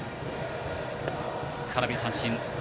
空振り三振。